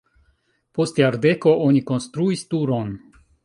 Post jardeko oni konstruis turon.